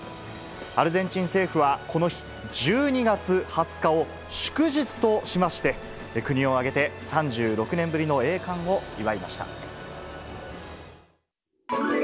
アルゼンチン政府はこの日１２月２０日を祝日としまして、国を挙げて３６年ぶりの栄冠を祝いました。